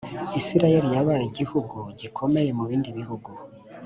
isirayeli yabaye igihugu gikomeye mu bindi bihugu